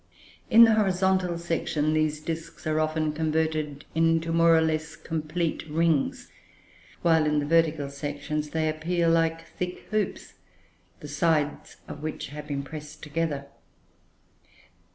In the horizontal section these disks are often converted into more or less complete rings; while in the vertical sections they appear like thick hoops, the sides of which have been pressed together.